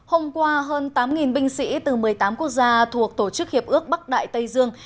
hôm qua hơn tám binh sĩ từ một mươi tám quốc gia thuộc tổ chức hiệp ước bắc đại tây dương